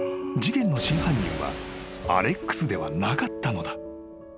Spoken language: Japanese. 事件の真犯人はアレックスではなかったのだ］